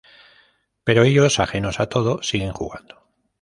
Pero ellos, ajenos a todo, siguen jugando.